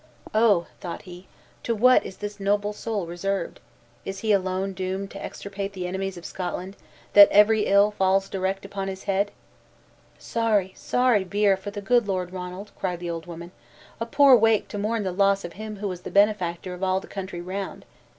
"Oh," thought he, "to what is this noble soul reserved! Is he alone doomed to extirpate the enemies of Scotland, that every ill falls direct upon his head!" "Sorry, sorry bier, for the good Lord Ronald!" cried the old woman; "a poor wake to mourn the loss of him who was the benefactor of all the country round!